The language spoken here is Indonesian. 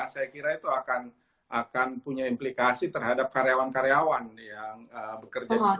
saya kira itu akan punya implikasi terhadap karyawan karyawan yang bekerja di sini